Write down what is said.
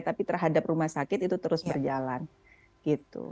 tapi terhadap rumah sakit itu terus berjalan gitu